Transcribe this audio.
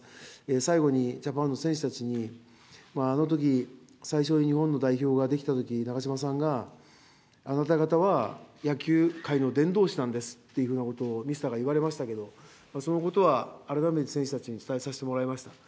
最後にジャパンの選手たちに、あのとき、最初に日本の代表が出来たときに、長嶋さんがあなた方は野球界の伝道師なんですっていうふうなことを、ミスターが言われましたけれども、そのことは改めて選手たちに伝えさせてもらいました。